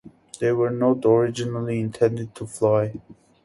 They were not originally intended to fly.